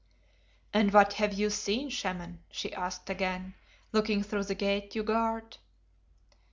"And what have you seen, Shaman?" she asked again, "looking through the Gate you guard?"